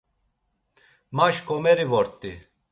Ma şǩomeri vort̆i.